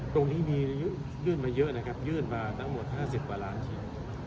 ตรงนี้มียื่นมาเยอะนะครับยื่นมาทั้งหมด๕๐กว่าล้านชิ้น